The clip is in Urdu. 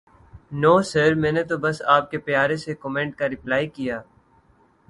نو سر میں نے تو بس آپ کے پیارے سے کومینٹ کا رپلائے کیا